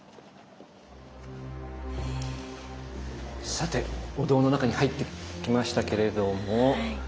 さてお堂の中に入ってきましたけれども。